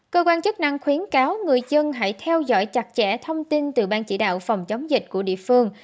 cơ quan chức năng khuyến cáo người dân hãy theo dõi chặt chẽ thông tin từ ban chỉ đạo phòng chống dịch của địa phương